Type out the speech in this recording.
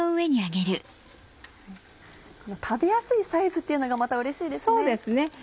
食べやすいサイズっていうのがまたうれしいですね。